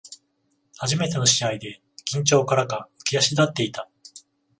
初めての試合で緊張からか浮き足立っていた